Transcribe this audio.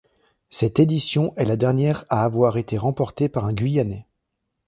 Cette édition est la dernière à avoir été remportée par un guyanais.